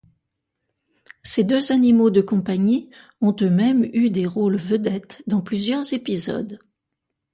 Ces deux animaux de compagnie ont eux-mêmes eu des rôles vedettes dans plusieurs épisodes.